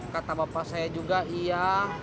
kata bapak saya juga iya